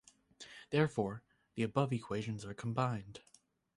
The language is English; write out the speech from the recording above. Therefore, the above equations are combined.